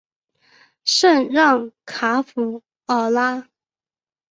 圣让卡弗尔拉。